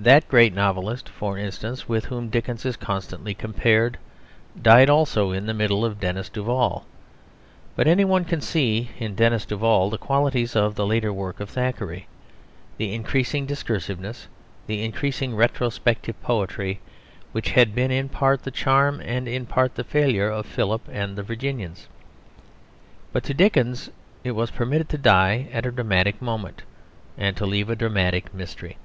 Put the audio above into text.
That great novelist, for instance, with whom Dickens is constantly compared, died also in the middle of Denis Duval. But any one can see in Denis Duval the qualities of the later work of Thackeray; the increasing discursiveness, the increasing retrospective poetry, which had been in part the charm and in part the failure of Philip and The Virginians. But to Dickens it was permitted to die at a dramatic moment and to leave a dramatic mystery.